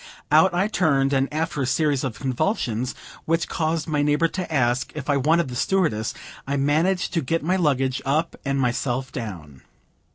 Out I turned; and, after a series of convulsions, which caused my neighbor to ask if I wanted the stewardess, I managed to get my luggage up and myself down.